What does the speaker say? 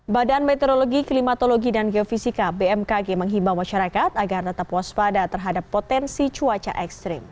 badan meteorologi klimatologi dan geofisika bmkg menghimbau masyarakat agar tetap waspada terhadap potensi cuaca ekstrim